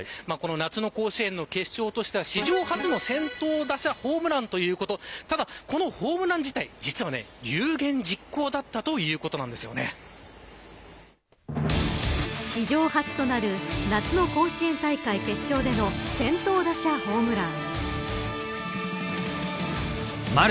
夏の甲子園の決勝としては史上初の先頭打者ホームランということただ、このホームラン自体史上初となる夏の甲子園大会決勝での先頭打者ホームラン。